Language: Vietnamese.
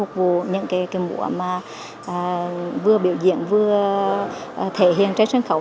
mục vụ những cái mùa mà vừa biểu diễn vừa thể hiện trên sân khấu